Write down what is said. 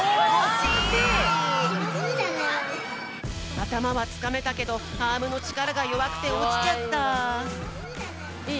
あたまはつかめたけどアームのちからがよわくておちちゃった。